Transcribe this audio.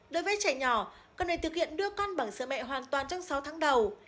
đối với trẻ nhỏ cần được thực hiện đưa con bằng sữa mẹ hoàn toàn trong sáu tháng đầu